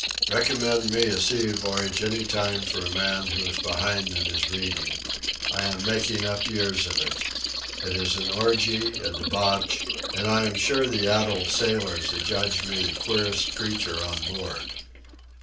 Recommend me a sea voyage any time for a man who is behind in his reading. I am making up years of it. It is an orgy, a debauch; and I am sure the addled sailors adjudge me the queerest creature on board.